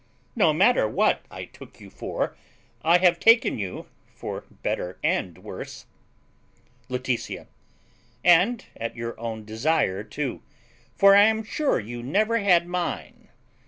No matter what I took you for: I have taken you for better and worse. Laetitia. And at your own desire too; for I am sure you never had mine.